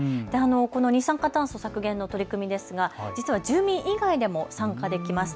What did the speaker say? この二酸化炭素削減の取り組みですが実は住民以外でも参加できます。